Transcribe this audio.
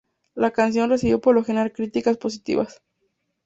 La canción recibió por lo general críticas positivas.